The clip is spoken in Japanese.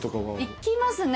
行きますね